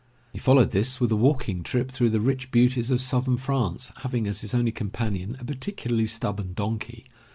He followed this with a walking trip through the rich beauties of Southern France, having as his only companion a particularly stubborn donkey.